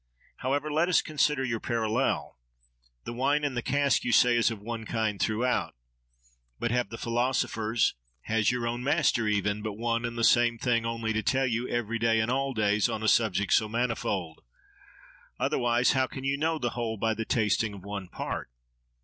However, let us consider your parallel. The wine in the cask, you say, is of one kind throughout. But have the philosophers—has your own master even—but one and the same thing only to tell you, every day and all days, on a subject so manifold? Otherwise, how can you know the whole by the tasting of one part?